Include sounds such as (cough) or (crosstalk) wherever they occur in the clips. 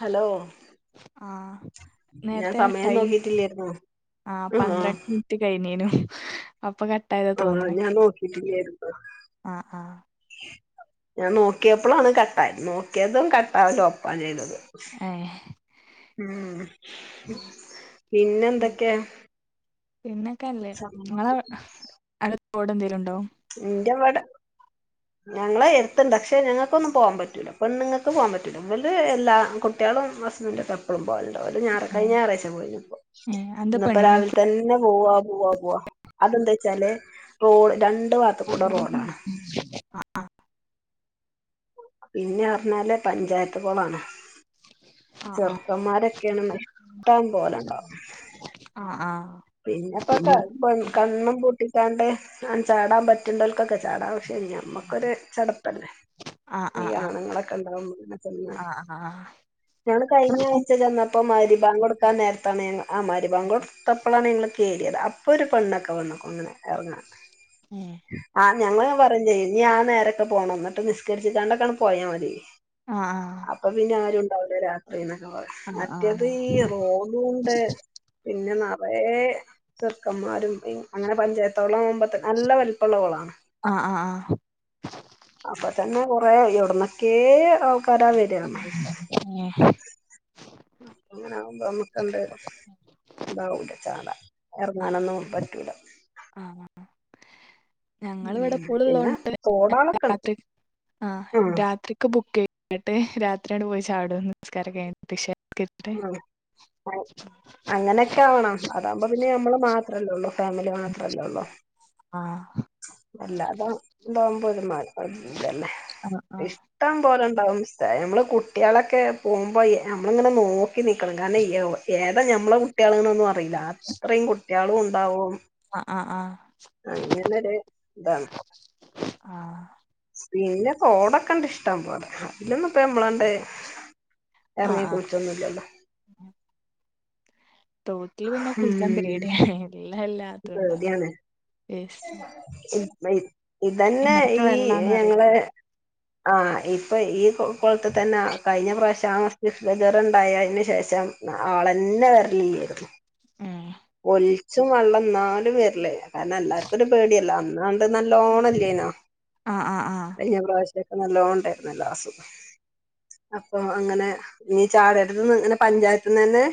Hello ആ ഞാൻ നേരത്തെ സമയം ടൈം നോക്കിട്ടില്ലായിരുന്നു ആ ആഹ് പന്ത്രണ്ട് മിനിറ്റ് കഴിഞ്ഞേനു അപ്പൊ കട്ടായതാ തോന്നണ് ഞാൻ നോക്കിട്ടില്ലായിരുന്നു ആഹ് ആഹ് ഞാൻ നോക്കിയപ്പോളാണ് കട്ടാ നോക്കിയതും കട്ടാവലും ഒപ്പാ ചെയ്തത് ആ ഉം പിന്നെ എന്തൊക്കെയാ പിന്നക്കല്ലേ ഇങ്ങവ തോട് എന്തക്കിലും ഇണ്ടോ എന്റെവിടെ ഞങ്ങളെ എടുത്തുണ്ട് പക്ഷെ ഞങ്ങൾക്കൊന്നും പോവാൻ പറ്റൂല പെണ്ണുങ്ങക്ക് പോവാൻ പറ്റൂല എല്ലാ കുട്ടിക മക്കളും ഹുസ്ബന്റും എപ്പളും പോകലണ്ട് ഞായറ കഴി ഏഹ് ഞായറാഴ്ച്ച പോയിപ്പോ ഏഹ് അതെന്താ ഇന്നപ്പോ രാവിലെ പെണ്ണുങ്ങൾക്ക് തന്നെ പോവ പോവാ പോവാ അതെന്താച്ചാല് റോഡ് രണ്ട് ഭാഗത്ത് കൂടെ റോഡാണ് ആആ പിന്നെ പറഞ്ഞാല് പഞ്ചായത്തുകു ളാണ് ആഹ് ചെറുക്കന്മാരൊക്കെയാണ് ഇഷ്ടം പോലെഇണ്ടാവും ആഹ് ആഹ് പിന്നെപ്പൊ കണ്ണും പൂട്ടിക്കാണ്ട് ചാടാൻ പറ്റണ്ടവൽക്കൊക്കെ ചാടാം ശരി നമ്മക്കൊരു ചടപ്പല്ലേ ആഹ് ഈ ആഹ് ആണുങ്ങളൊക്കെ ഇണ്ടാവുമ്പോ പെണ്ണ് ആഹ് ആഹ് ആഹ് ആഹ് ഞങ്ങൾ കഴിഞ്ഞ ആഴ്ച ചെന്നപ്പോ മഗിരിബിബാങ്ക് കൊടുക്കാൻ നേരത്താണ് ആ മഗിരിബിബാങ്ക് കൊടുത്ത കേറിയത് അപ്പൊ ഒരു പെണ്ണൊക്കെ വന്നുക്കുണു ഏഹ് ങ്ങനെ ഇറ്ങ്ങാൻ പറഞ്ഞേ നീ ആ നേരൊക്കെ പോണം എന്നിട്ട് നിസ്കരിച്ച കാണ്ടക്കാണ് പോയാ മതി ആഹ് ആഹ് അപ്പൊ പിന്നെ ആരുണ്ടാവുല രാത്രിന്ന് ആഹ് മറ്റേത് ഈ ആഹ് റോഡും ഉണ്ട് പിന്നെ കൊ യേ ചെർക്കന്മാരും അങ്ങനെ പഞ്ചായത്തോളം ആകുമ്പോ നല്ല വലിപ്പമുള്ളകൊളാണ് ആആ ആ കുറെ എവിടന്നേക്കെ ആൾ ക്കാരാ വരാന്നോ ഏഹ് അ നമ്മക്കണ്ട് ഇതാവണ്ട് ചാട ആഹ് ഇറങ്ങാനൊന്നും പറ്റൂല ഞങ്ങള് ഇവിടെ ഉം പൂള് പിന്നെ ഉള്ളോണ്ട് തോടാളൊക്കെണ്ട് രാത്രി ആ ഉം രാത്രിക്ക് ബുക്ക് ചെയ്യും ഇന്നിട്ട് രാത്രിയാട് പോയി ചാടോന്ന് നി സ്കാരംകഴിഞ്ഞിട്ട് ഇശാ നിസ്കരിച്ചിട്ട് ആ അങ്ങനെയൊക്കെ ആവണം അതാവകുമ്പോ പിന്നെ നമ്മള് മാത്രമല്ലേ ഉള്ളു ഫാമിലി മാത്രമല്ലെ ഉള്ളൂ ആഹ് അല്ല അതോ ഇ താകുമ്പോ ഒരു ഇതന്നെ ആഹ് ആഹ് ഇഷ്ടം പോലെ നമ്മള് കുട്ടികളൊക്കെ പോകുമ്പോ നമ്മളിങ്ങനെ നോക്കി നിക്കണം കാരണം ഏതാ നമ്മളെ കുട്ടികളൊന്നും അറിയില്ല അത്രയും കുട്ടികളും ഉണ്ടാവും ആ ആആ ഒര് ഇതാണ് ആ പിന്നെ കോടൊക്കെണ്ട് ഇഷ്ട പോലേ അതിലൊന്നും പ്പ മ്മളാണ്ട് ആഹ് ഇറങ്ങി ആഹ് കുളിച്ചൊന്നുംല്ലല്ലോ തോട്ടിൽ പിന്നെ കുളിക്കാൻ പേടിയാണേ ഇക്ക് പേടിയാണ് വേസ്റ്റ് ഇതന്നെ എങ്ങനത്തെ ഈ വെള്ളാന്ന് അറിയില്ല ഞങ്ങള് ആ ഇപ്പ ഈ കുളത്ത് തന്നെ കഴിഞ്ഞ പ്രാവശ്യം (unintelligible) തിനു ശേഷം ആളെന്നെ വര്ലല്ലേ രുന്നു ഉം ഒലിച്ചും വെള്ളം എന്നാലും വരലേ കാരണം എല്ലാർക്കും ഒരു പേടിയല്ല അന്നാ നല്ലോണംല്ലനോ ആഹ് ആഹ് കഴിഞ്ഞ പ്രാവശ്യ യൊക്കെ നല്ലോണണ്ടായിര്ന്നല്ലോ (unintelligible) അപ്പൊ അങ്ങനെ ഞ്ഞ് ചാടരത്ത്ന്ന് ഇങ്ങനെ പഞ്ചായത്ത് ന്ന് തന്നെ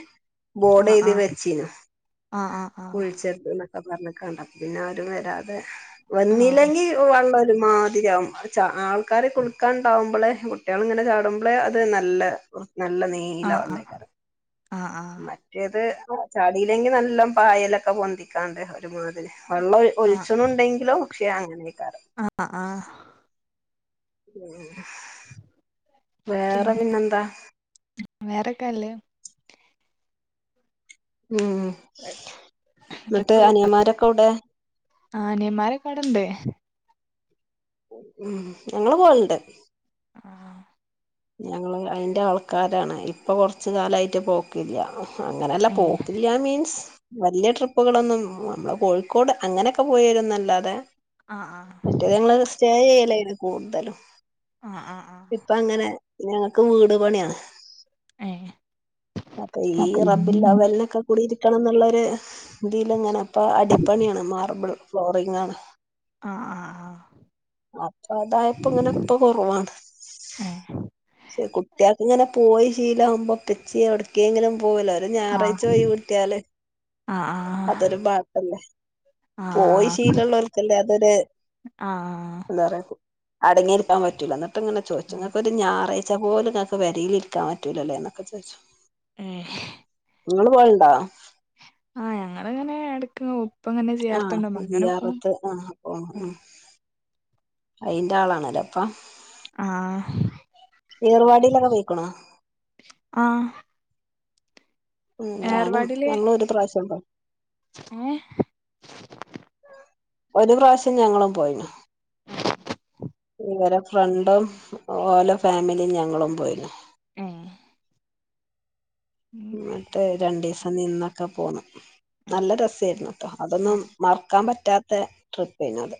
ബോഡ് ചെയ്ത് വെച്ചീനു ആ ആ ആ അപ്പം പറഞ്ഞ്ക്കാണ്ട് അപ്പം പിന്നെ ആരും വരാതെ വന്നില്ലെങ്കി വെള്ളം ഒ രുമാതിരിയാവും ആൾക്കാര് കുളിക്കാണ്ടാവുമ്പോളെ കുട്ടികള് ഇങ്ങനെ ചാടുമ്പളെ അത് നല്ല നല്ല നീല ആഹ് ആഹ് ആഹ് വെള്ളേക്കാറ് ആഹ് മറ്റേത് ആ ചാടിയിലെങ്കി നല്ല പായലൊക്കെ പൊന്തിക്കാണ്ട് തി വെള്ളം ആഹ് ഒലിച്ച് ആഹ് ണ് ണ്ടെങ്കിലോ പക്ഷെ അങ്ങനെ ആഹ് ആഹ് ഉം വേറെ പിന്നെന്താ വേറെക്കാല്ലേ ഉം എന്നിട്ട് അനിയന്മാരൊക്കെ എവിടെ ആഹ അനിയന്മാരൊക്കെ ഇവിടെണ്ട് ഉ ഞങ്ങള് പോവൽണ്ട് ആഹ ഞങ്ങള് അയിന്റെ ആൾക്കാരാണ് ഇപ്പൊ കൊറച്ച് കാലമായിട്ട് പോക്കില്ല അങ്ങനെല്ല ഏഹ് പോക്കില്ല മീൻസ് വലിയ ട്രിപ്പുകളൊന്നും നമ്മെളെ കോഴിക്കോട് അങ്ങനെയൊക്കെ പോയിവരുന്നല്ലാതെ ആഹ് മറ്റേ ആഹ് ഞങ്ങള് സ്റ്റേ ചെയ്യലേർന്ന് ഇത് കൂടുതലും ആഹ് ആഹ് ഇപ്പ അങ്ങനെ ഞങ്ങക്ക് വീട് പണിയാണ് ആഹ് ഏഹ് അപ്പൊ ഈ റബില്ല വെല്ലൊക്കെ കൂടിരിക്ക കണം എന്നുള്ള ഒരു ഇതീൽ എങ്ങനെ ഇപ്പൊ അടിപ്പണിയാണ് മാർബിൾ ഫ്ലോറിംഗ ആണ് ആഹ് ആഹ് ആഹ് അപ്പൊ അതായപ്പോ ഇങ്ങനെ ഇപ്പൊ കുറവാണ് ആഹ പക്ഷെ കുട്ടികൾക്ക് ഇങ്ങനെ പോയി ശീലമാകുമ്പോ ഉപ്പാച്യേ എവിടക്കെങ്കിലും പോവലോ ഞായറാഴ്ച ആഹ് പോയി കിട്ടിയാല് ആഹ് അതൊരു പാട്ല്ലേ പോയി ആഹ് ശീലമുള്ളവർക്കല്ലേ അതൊരു ആഹ് എന്താ പറയാ അടങ്ങിയിരിക്കാൻ പറ്റൂലാ എന്നിട്ട് ഇങ്ങന ചോിച്ച ആഹ് നിങ്ങക്ക ഞാ പറയിച്ച പോലും ങ്ങൾക്ക് പേരിൽ ഇരിക്കാൻ പറ്റൂലല്ലേ എന്നൊക്കെ ചോദിച്ചു ഏ നിങ്ങള് പോയണ്ടാ ഞങ്ങളിങ്ങനെ എടക്ക് ഉപ്പ ഇങ്ങനെ ആഹ ചേർത്തുണ്ടാവും അങ്ങനെ പോവും അതിിയാറത്ത് ആഹ ഓ ആ അയിന്റെ ആളാണല്ലേ അപ്പം ആഹ് ഏർവാടിയിലൊക്കെ പോയിക്ക്‌ണോ ആഹ ഉ ഞാനും ഞങ്ങൾ ഒരു പ്രാവശ്യം ഏ ഒരു പ്രാവശ്യം ഞങ്ങളും പോയിനു ഇവരെ ഫ്രണ്ടും ഓരോ ഫാമിലിയും ഞങ്ങളും പോയിരുന്നു ആഹ മിട്ട് രണ്ടു ദിവസം നിന്നൊക്കെ പോന്ന് നല്ല രസമായിരുന്നു കേട്ടോ അതൊന്നും ആഹ് മറക്കാൻ പറ്റാത്ത ട്രിപ്പായിന അത്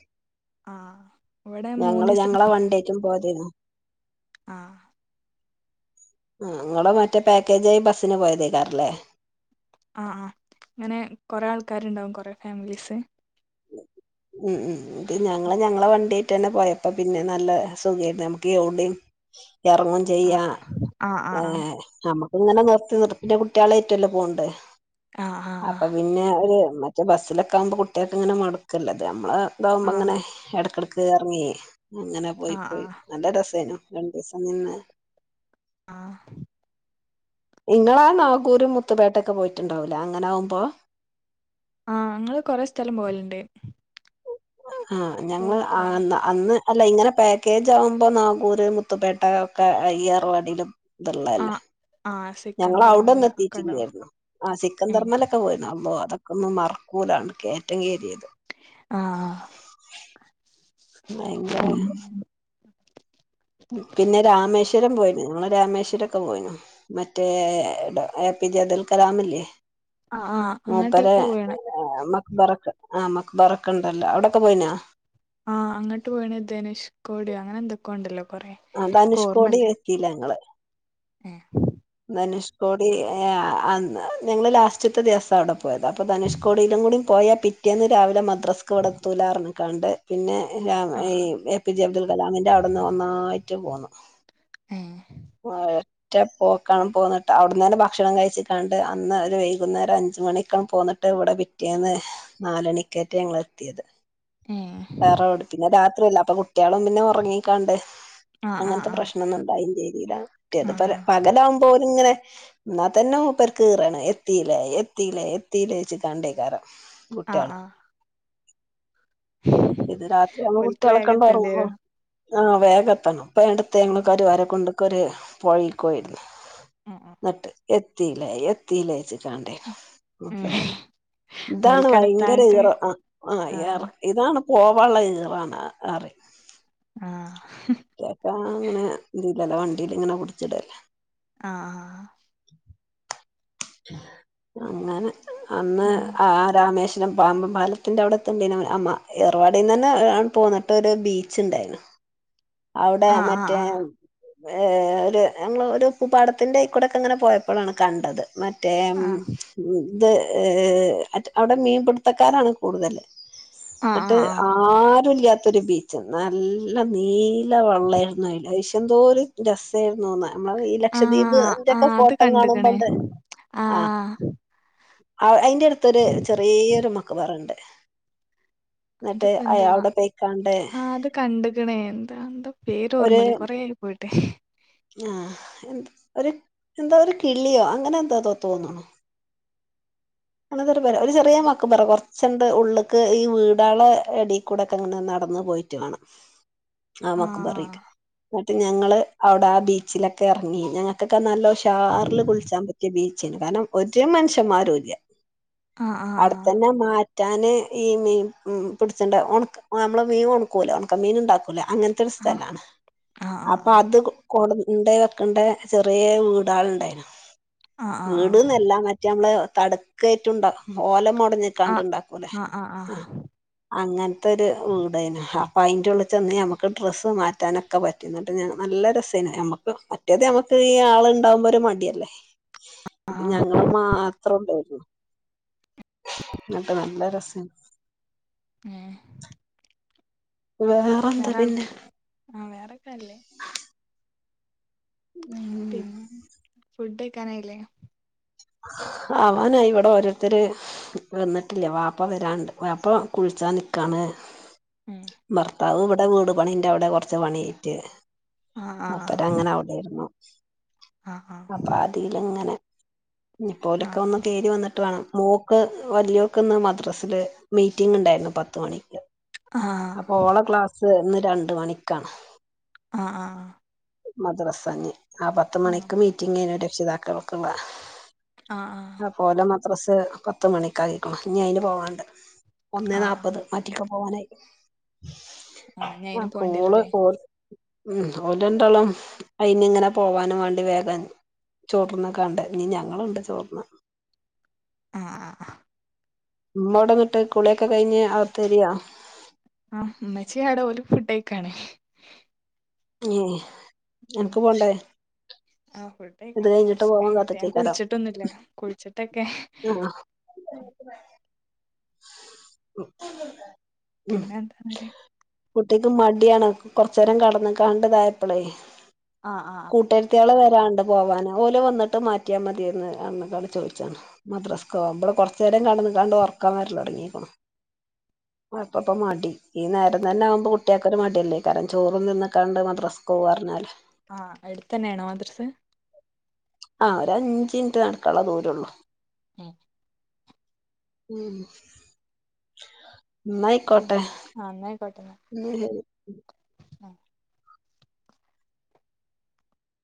ആഹ് ഇവിടെ ഞങ്ങള് മൂന്നീസത്തിന് ഞങ്ങളെ വണ്ടേക്ക പോതന്ന ആ ആ നിങ്ങള് മറ്റേ പാക്കേജായി ബസ്സിന് പോയതേക്കാറില്ലേ ആ ആ അങ്ങനെ കൊറെ ആൾക്കാരുണ്ടാവും കൊറെ ഫാമിലീസ് ഉം ഉ ഞങ്ങള ഞങ്ങളെ വണ്ടിആയിട്ട് തന്നെ പോയപ്പ പിന്നെ നല്ല സുഖമായിരുന്നു നമുക്ക് എവിടെയും ഇറങ്ങും ആഹ് ചെയ്യാ ആഹ് ഏ ആഹ് ആ ഇങ്ങനെ നിർത്തി നിർത്തിന്റെ കുട്ടികളെ ഏറ്റവുംല്ല പോവണ്ട് ആഹ് ആഹ് അപ്പൊ പിന്നെ ഒരു പക്ഷേ ബസ്സിലൊക്കെ ആകുമ്പോൾ കുട്ടികൾക്ക്‌ ഇങ്ങനെ മടക്കല്ല അത് നമ്മള് ഇതാവുമ്പോ ആഹ് ഇങ്ങനെ ഇടക്കിടക്ക് ഇറങ്ങിയേ അങ്ങനെ പോയി ആഹ് പോയി ആഹ് നല്ല രസനു രണ്ടു ദിവസം നിന്ന് ആ നിങ്ങളാ നാഗൂരും മുത്തുപേട്ടൊക്കെ പോയിട്ടുണ്ടാവൂലേ അങ്ങനെ ആവുമ്പോ ആ അങ്ങള് കൊറെ സ്ഥലം പോവലുണ്ട് ആ ഇപ്പൊ ഞങ്ങൾ അ കൊറെ അന്ന് അല്ല ഇങ്ങനെ പാക്കേജ് ആവുമ്പോ നാഗൂര് മുത്തുപേട്ട ഒക്കെ ഏർവാടിയിലും ഇത് ഉള്ള അല്ലേ ആഹ് ആഹ് ഞങ്ങള് സിക്കന്തർ മല അവിട്ന്ന് ഒക്കെ ഉണ്ടാവും എത്തിച്ചില്ലായിരുന്നു ആ ആഹ് സിക്കൻത്തർമ്മലൊക്കെ പോയിരുന്നു അ അതൊക്കെ ഒന്ന് മറക്കൂലാണ് കേറ്റം കയറിയത് ഭയങ്കര പിന്നെ രാമേശ്വരം പോയിനു ങ്ങളെ രാമേശ്വരംക്കെ പോയിനു മറ്റേ പിജെ അബ്ദുൽ കലാം ഇല്ലേ ആ ആ അങ്ങട്ടൊക്കെ പോയാണ് മക്ബറക്ക് ആ മക്ബറക്ക ഉണ്ടല്ലോ അവിടൊക്കെ പോയിനാ ആ അങ്ങോട്ട് പോയിണ ദനുഷ് കോടിയോ അങ്ങനെ എന്തൊക്കെയ ഉണ്ടല്ലോ കൊറെ ധനുഷ്കോടി കോർമല്ലേ എത്തിയില്ല ഞങ്ങള് ധനുഷ്കോടി ഞങ്ങള് ലാസ്റ്റത്തെ ദിവസ അവിടെ പോയത് അപ്പോൾ ധനുഷ്കോടിയിലും കൂടി പോയ പറയാ പിറ്റേന്ന് രാവിലെ മദ്രസക്ക്‌ ഇവിടെത്തുലാർന്ന് പറഞ്ഞുകാണ്ട് പിന്നെ ആഹ് ആഹ് എ പി ജെ അബ്ദു കലാമിന്റെ അവിടുന്ന് ഒന്നായിട്ട് പോന്നു ഏഹ് ആഹ് ഒറ്റ പോക്കാണ് പോന്നിട്ട് അവിടന്നേനെ ഭക്ഷണം കഴിച്ച്ക്കാണ്ട് അന്ന് ഒരു വൈകുന്നേരം അഞ്ച് അഞ്ച് മണിക്കാണ്ട് പോന്നിട്ട് ഇവിടെ പിറ്റേന്ന് നാല്മണിക്കേറ്റേ ഞങ്ങള് എത്തിയത് ഏഹ് (unintelligible) പിന്നെ രാത്രിയല്ല അപ്പൊ കുട്ടിയാളും പിന്നെ ഉറങ്ങിക്കാണ്ട് ആഹ് ആഹ് അങ്ങൻത്തെ പ്രശ്നമൊന്നും ഉണ്ടായില്ല മറ്റെത് ആഹ് പ ആഹ് പകലാവകുമ്പോ ഓര്ങ്ങനെ ന്നാ തന്നെ മൂപ്പർകീറേണ് എത്തീലേ എത്തീലേ എത്തീലേ ചോയിച്ച്ക്കാണ്ടയ്ക്കാരം ആഹ് കുട്ട്യാള് ആഹ് ഇത് രാത്രി ആവുമ്പോ ഓൽക്ക് വേഗം എത്തേണ്ടി കുട്ട്യാളൊക്കാണ്ടൊർങ്ങും വരും ആഹ് വേഗത്തണം ഇപ്പോ അടുത്ത്‌ ഞങ്ങള് ആഹ് കരുവാരക്കുണ്ട്ക്കൊരു പൊഴീക്ക് പോയിരുന്നു ഉം ഉം നട്ട് എത്തീലേ എത്തീലേ ചോയ്ച്ചിക്കാണ്ടേ ഉം ഇതാണ് ഓൽക്കടെ ഭയങ്കര എത്താഞ്ഞിട്ട് ഈറ ആഹ് ആഹ് റെ ഇതാണ് പോവാള്ള ഇറാണ് അറിം ആഹ് റ്റക്കാ അങ്ങനെ ത്ല്ലല്ലോ വണ്ടീല് ഇങ്ങനെ പുട്ച്ച്ടല്ലേ. ആഹ് അങ്ങന അന്ന് ഉം ആ രാമേശ രം പാമ്പൻ പാലത്തിന്റെ അവിട (unintelligible) അമ്മ എർവാടിന്നന്നെ പോന്നിട്ട് ഒരു ബീച്ച് ഇണ്ടായ്നു. അവ്ടെ ആഹ് ആഹ് മറ്റേ ഏഹ് ഒരു ഞങ്ങൾ ഒരു ഉപ്പു പാടത്തിന്റെയിക്കൂടെക്കെങ്ങനെ പോയപ്പ്ളാണ് കണ്ടത്. മ റ്റേ ആഹ് ഇത് അവ്ടെ മീൻപിടുത്തക്കാരാണ് കൂടുതല് ആഹ് ഇന്നട്ട് ആഹ് ആഹ് ആരും ഇല്ലാത്തൊരു ബീച്ച് നല്ല നീ ല വെള്ളായ്രുന്നു അയ്ല് അയ് ശേ ന്തോര് രസായിരുന്നുന്നാ നമ്മള് ഈ ആഹ് ആഹ് ലക്ഷദ്വീപ്ന്റെക്കെ ആഹ് അത് ഫോട്ടോ കണ്ട്ക്ക്ണ് കാണുമ്പോണ്ട് ആ ആഹ് ആഹ് അയിന്റെ എര്ത്തൊര് ചെറ്യൊരു മക്ക്ബറണ്ട്. ഇന്നട്ട് അതിപ്പോ അ എന്താ അവിടെ പോയിക്കാ ആഹ് അത് കണ്ട്ക്ക്ണ്. എന്താ എന്താ പേര് ഓർമ്മല്ല കൊറെ ആയി പോയിട്ട്. ആഹ് ഒരു എന്താ ഒരു കിളിയോ അങ്ങനെ എന്തോത്തോ തോന്ന്ണു. (unintelligible) ഒരു ചെറിയ മാക്ബറ കൊർച്ച് (unintelligible) ഉള്ള്ക്ക് ഈ വീടാളെ എടേ കൂടൊക്കെ അങ്ങനെ നടന്ന് പോയിട്ട് വാണം ആ മക്ക്ബറീക്ക് ആഹ് ഇന്നട്ട് ഞങ്ങള് അവിടെ ആ ബീച്ചിലൊക്കെ ഇറങ്ങി ഞങ്ങൾക്കൊക്കെ നല്ല ഉഷാറില് കുളിച്ചാൻ പറ്റിയ ബീച്ചെയ്നി കാരണം ഒരു മനുഷ്യന്മാരുംല്ല ആഹ് ആഹ് അട്ത്തന്നെ മാ റ്റാൻ ഈ മീൻ പിടിച്ചണ്ട് നമ്മള് മീൻ ഒണക്കൂല്ലൊ ഒണക്ക മീൻ ഉണ്ടാക്കും ക്കൂല. അങ്ങൻത്തെ ഒരു ആഹ് സ്ഥലാണ്. ആഹ് അപ്പൊ ആഹ് അത് (unintelligible) ചെറിയ വീടാൾ ഇണ്ടായിന്നു ആഹ് ആഹ് ആഹ് വീട്ന്നല്ല മറ്റേ മ്മളെ തട്ക്കായിട്ടും ഇണ്ടാ ഓല മോ ട്ഞ്ഞ്ക്കാണ്ട് ഇണ്ടാക്കൂലെ. ആഹ് ആഹ് ആ ആഹ് അങ്ങൻത്തെ ഒരു വീടയ്നു ആ പായിൻ്റെ ഉള്ളിൽ ചെന്ന് നമുക്ക് ഡ്രസ്സ് മാറ്റാനൊക്കെ പറ്റും ഇന്നട്ട് നല്ല രസേയിന് നമുക്ക് മറ്റേത് നമുക്ക് ഈ ആള് ണ്ടാവ്മ്പോ ഒരു മടിയല്ലേ ആഹ് ഞങ്ങള് മാത്രൊള്ളു. ഇന്നട്ട് നല്ല രസേയ്നി ഏഹ് വേറന്താ വേറെ പിന്നെ ആഹ് വേറൊക്കെ നല്ലേ ഉം പിന്നെ ഫുഡ് കൈക്കാനയീല്ലെ അവാനായി ഇവിടെ ഓരോരുത്തര് വന്നിട്ടില്ല വാപ്പ വരാണ്ട് വാപ്പ കുൾ ച്ചാ നിക്കാണ്. ഉം ഭർത്താവ് ഇവടെ വീട് പണിന്റെ അവിടെ കൊർച്ച് പണിയേറ്റ് ആഹ് ആഹ് മൂപ്പര് അങ്ങനെ അവിടെയിരുന്നു ആഹ് അപ്പ ആതീല് ഇങ്ങനെ ഞ്ഞ്‌പ്പൊ ഓലൊക്കെ ഒന്ന് ആഹ് കേരി വന്നിട്ട് വാണം മോക്ക് വലിയോക്ക് ഇന്ന് മദ്രാസില് മീറ്റിംഗ് ഉണ്ടായിരുന്നു പത്ത് മണിക്ക് ആഹ് അപ്പൊ ഓള ക്ലാസ് ഇന്ന് രണ്ട് മണിക്കാണ് അഹ് ആഹ് മദ്രസഞ്ഞ് ആഹ് പത്ത് മണിക്ക് ആഹ് മീറ്റിംങ്ങ് രക്ഷിതാക്കൾ‌ക്കിള്ളത ആഹ് അപ്പോലെ മദ്രസ് പത്ത് മണിക്കായിരിക്കണ് ഇനി അയ്ന് പോവാണ്ട് ഒന്നേ ആഹ് നാപ്പത് മാറ്റിക്കൊ പോവാനായി ഇനി അയിന് ആഹ് കോള് പോണ്ടിവരൂല്ലേ (unintelligible) ഉം ഓല് രണ്ടാളും അയിനിങ്ങനെ പോവാനും വേണ്ടി വേഗം ചോറാന്ന്ക്കാണ്ട് ഇഞ്ഞ് ഞങ്ങളുണ്ട് ചോറ്ന്നാൻ ആ ആ ഇമ്മോടെ ഇങ്ങട്ട് കുളിയൊക്കെ കഴിഞ്ഞ് അകത്ത് കയരിയോ ആഹ് ഇമ്മച്ചി ആടെ ഓല് ഫുഡ്കയിക്കാണേ ഉം ആഹ് കൊഴ് ഫുഡ് ഇത് കഴിക്കണം കഴിഞ്ഞിട്ട് കൊറച്ചേരം പോവാൻ കഴിയട്ടെ ഞാൻ കാത്ത്ക്കേക്കാരം കുളിച്ചിട്ടൊന്നും ഇല്ല കുളിച്ചിട്ടൊക്കെ ആഹ് (unintelligible) ഉം പിന്നെന്താ അങ്ങനെ കുട്ടിക്ക് മടിയാണ് കൊറച്ചേരം കടന്ന്കാണ്ടിതായപ്പളേ ആഹ് ആഹ് അഹ് കുട്ട്യാള് വരാണ്ട് പോവാന് ഓല് വന്നിട്ട് മാറ്റിയാ മതിയെന്ന് അന്ന്ക്കാണ്ട് ചോദിച്ചാണ് മദ്രസ്ക്കോവാൻ ഇവ്ടെ കൊറച്ചേരം കട കാണ്ട് ഒർക്കം വരലൊട്ങ്ങിക്ക്ണ് ഇ പ്പപ്പ മടി ഈ നേരം തന്നാ വുമ്പോൾ കുട്ടിയൾക്കൊരു മടിയല്ലേ കാരം ചോറും തിന്നക്കാണ്ട് മദ്രസ്ക്കോവർഞ്ഞാല് ആ എടുത്തന്നെയാണോ മദ്റസ് ആ ഒരഞ്ചിനിറ്റ് നടക്കാള്ളെ ദൂരൊള്ളൂ എ ഉം ഇന്നായികോട്ടെ നെയൽ ആ